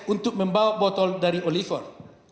untuk membawa botol dari oliver